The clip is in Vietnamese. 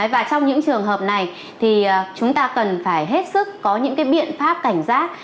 và trong những trường hợp này thì chúng ta cần phải hết sức có những biện pháp cảnh giác